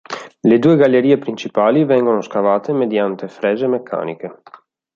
Le due gallerie principali vengono scavate mediante frese meccaniche.